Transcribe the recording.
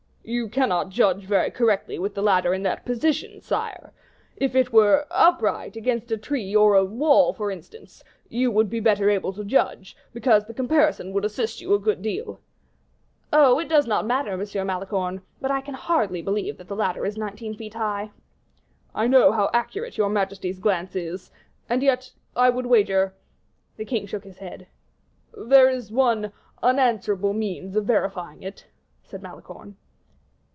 "You cannot judge very correctly with the ladder in that position, sire. If it were upright, against a tree or a wall, for instance, you would be better able to judge, because the comparison would assist you a good deal." "Oh! it does not matter, M. Malicorne; but I can hardly believe that the ladder is nineteen feet high." "I know how accurate your majesty's glance is, and yet I would wager." The king shook his head. "There is one unanswerable means of verifying it," said Malicorne.